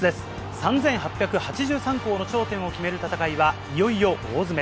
３８８３校の頂点を決める戦いは、いよいよ大詰め。